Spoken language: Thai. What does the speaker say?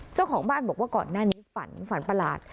เจ้าของบ้านบอกว่าก่อนหน้านี้ฝันฝันประหลาด